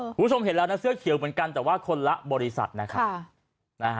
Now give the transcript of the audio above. คุณผู้ชมเห็นแล้วนะเสื้อเขียวเหมือนกันแต่ว่าคนละบริษัทนะครับ